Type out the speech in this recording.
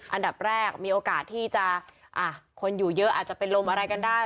อันดับแรกมีโอกาสที่จะคนอยู่เยอะอาจจะเป็นลมอะไรกันได้